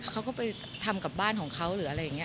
เขาก็ไปทำกับบ้านของเขาหรืออะไรอย่างนี้